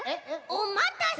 おまたせ！